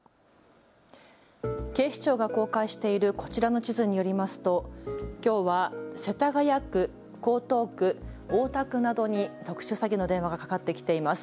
警視庁が公開しているこちらの地図によりますときょうは世田谷区、江東区、大田区などに特殊詐欺の電話がかかってきています。